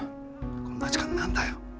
こんな時間に何だよ。